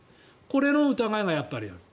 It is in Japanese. これの疑いがやっぱりある。